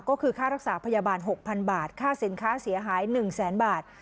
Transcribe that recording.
ก็คือค่ารักษาพยาบาล๖๐๐๐บาทค่าสินค้าเสียหาย๑แสนบาท